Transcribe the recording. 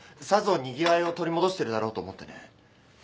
さぞにぎわいを取り戻してるだろうと思ってね。